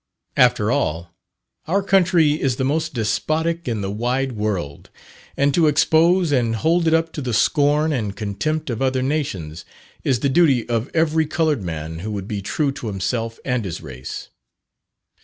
After all, our country is the most despotic in the wide world, and to expose and hold it up to the scorn and contempt of other nations, is the duty of every coloured man who would be true to himself and his race.